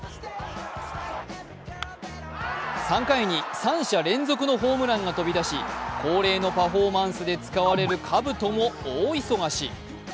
３回に三者連続のホームランが飛び出し恒例のパフォーマンスで使われるかぶとも大忙し。